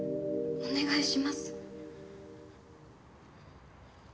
お願いします。